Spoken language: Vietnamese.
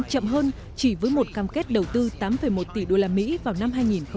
asean chậm hơn chỉ với một cam kết đầu tư tám một tỷ đô la mỹ vào năm hai nghìn một mươi năm